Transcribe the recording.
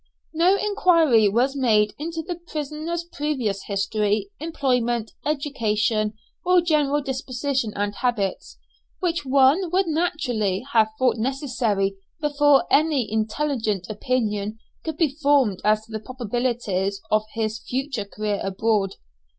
No enquiry was made into the prisoner's previous history, employment, education, or general disposition and habits, which, one would naturally have thought necessary before any intelligent opinion could be formed as to the probabilities of his future career abroad.